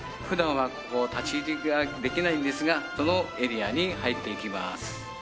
普段はここ立ち入りができないんですがそのエリアに入っていきます。